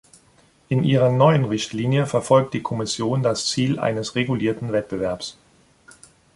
In ihrer neuen Richtlinie verfolgt die Kommission das Ziel eines regulierten Wettbewerbs.